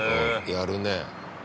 やるねえ。